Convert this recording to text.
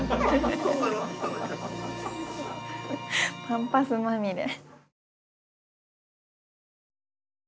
パンパスまみれ。